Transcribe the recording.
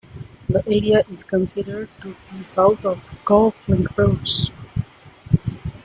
The area is considered to be south of Golf Links Road.